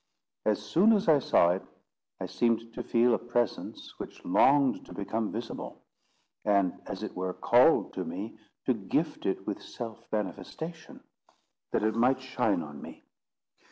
As soon as I saw it, I seemed to feel a presence which longed to become visible; and, as it were, called to me to gift it with self manifestation, that it might shine on me.